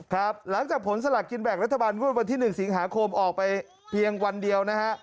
ครับหลังจากผลสลักกินแบ่งรัฐบาลงวดวันที่๑สิงหาคมออกไปเพียงวันเดียวนะฮะ